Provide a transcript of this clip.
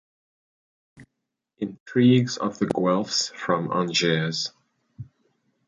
- Intrigues of the guelfes from Angers.